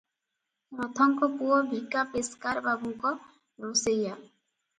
ରଥଙ୍କ ପୁଅ ଭିକା ପେସ୍କାର ବାବୁଙ୍କ ରୋଷେଇଆ ।